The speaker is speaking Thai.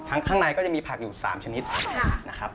ข้างในก็จะมีผักอยู่๓ชนิดนะครับ